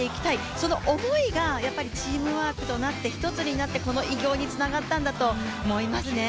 その思いがやっぱりチームワークとなって一つになってこの偉業につながったんだと思いますね。